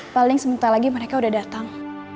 paling sebentar lagi mereka udah datang